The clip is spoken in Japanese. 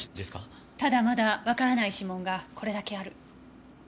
ただまだわからない指紋がこれだけある。